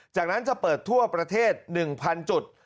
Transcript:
จากนั้นจะเปิดทั่วประเทศ๑๐๐จุด